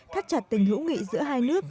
thắt chặt tình hữu nghị giữa hai nước